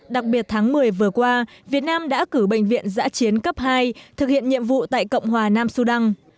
đặc biệt tháng một mươi vừa qua việt nam đã cử bệnh viện giã chiến cấp hai thực hiện nhiệm vụ tại cộng hòa nam sudan